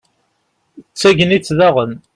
d tagnit daɣen